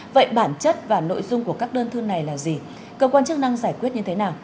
vậy bản chất và nội dung của các đơn thư này là gì cơ quan chức năng giải quyết như thế nào